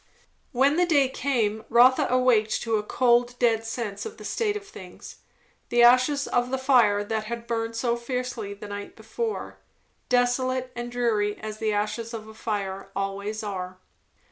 When the day came, Rotha awaked to a cold, dead sense of the state of things; the ashes of the fire that had burned so fiercely the night before; desolate and dreary as the ashes of a fire always are.